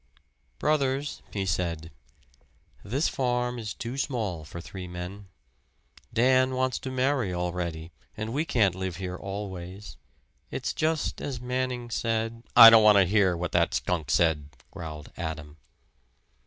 "Brothers," he said, "this farm is too small for three men. Dan wants to marry already; and we can't live here always. It's just as Manning said " "I don't want to hear what that skunk said!" growled Adam.